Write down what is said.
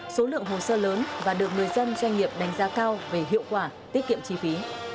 số lượng hồ sơ lớn và được người dân doanh nghiệp đánh giá cao về hiệu quả tiết kiệm chi phí